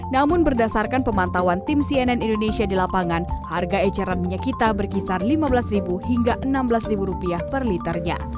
namun berdasarkan pemantauan tim cnn indonesia di lapangan harga eceran minyak kita berkisar rp lima belas hingga rp enam belas per liternya